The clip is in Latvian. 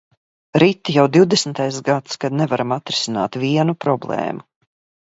Rit jau divdesmitais gads, kad nevaram atrisināt vienu problēmu.